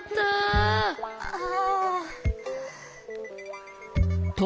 ああ。